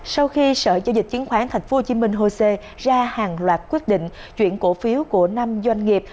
sau khi sở giao dịch chứng khoán tp hcm ra hàng loạt quyết định chuyển cổ phiếu của năm doanh nghiệp